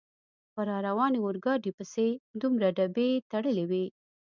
په را روانې اورګاډي پسې دومره ډبې تړلې وې.